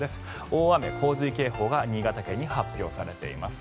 大雨洪水警報が新潟県に発表されています。